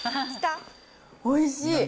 おいしい！